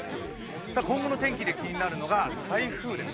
今後の天気で気になるのが台風です。